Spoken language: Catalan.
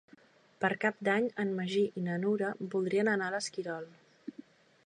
Per Cap d'Any en Magí i na Nura voldrien anar a l'Esquirol.